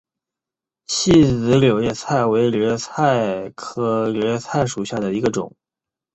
细籽柳叶菜为柳叶菜科柳叶菜属下的一个种。